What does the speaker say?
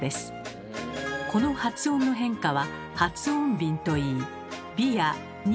この発音の変化は「撥音便」といい「び」や「に」